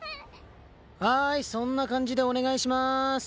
はーいそんな感じでお願いしまーす。